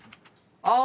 あ。